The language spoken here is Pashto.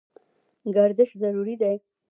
ګردش ضروري دی.